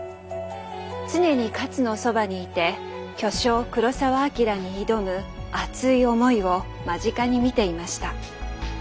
常に勝のそばにいて巨匠黒澤明に挑む熱い思いを間近に見ていました。